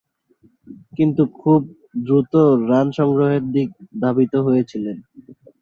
কিন্তু খুব দ্রুত রান সংগ্রহের দিক ধাবিত হয়েছিলেন।